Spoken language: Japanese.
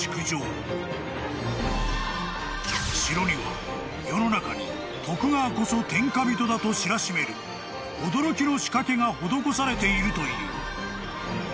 ［城には世の中に徳川こそ天下人だと知らしめる驚きの仕掛けが施されているという］